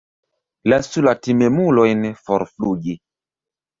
Lasu la timemulojn forflugi.